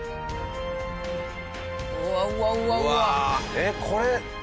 えっこれ。